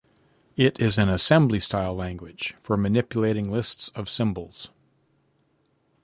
It is an assembly-style language for manipulating lists of symbols.